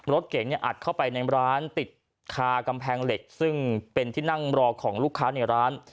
รถเก๋งเนี่ยอัดเข้าไปในร้านติดคากำแพงเหล็กซึ่งเป็นที่นั่งรอของลูกค้าในร้าน